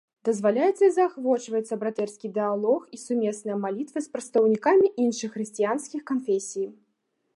Дазваляецца і заахвочваецца братэрскі дыялог і сумесныя малітвы з прадстаўнікамі іншых хрысціянскіх канфесій.